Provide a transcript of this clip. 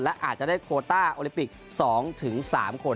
และอาจจะได้โคต้าโอลิปิก๒๓คน